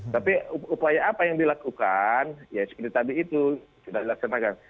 tapi upaya apa yang dilakukan ya seperti tadi itu sudah dilaksanakan